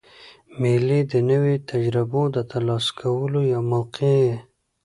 مېلې د نوو تجربو د ترلاسه کولو یوه موقع يي.